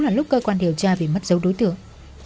là lúc cơ quan điều tra bị mất dấu đối tượng